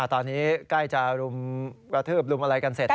อ่าตอนนี้กล้าจะรุมก็หารกระทืบรุมอะไรกันเสร็จได้